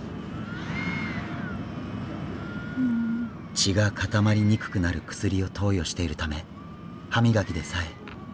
血が固まりにくくなる薬を投与しているため歯磨きでさえリスクになる。